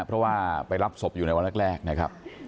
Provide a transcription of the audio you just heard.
เพราะว่าไปรับศพอยู่ในวันแรกนะครับ